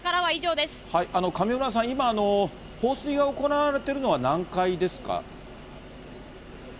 上村さん、今、放水が行われているのは何階ですか？